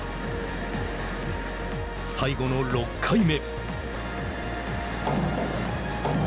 最後の６回目。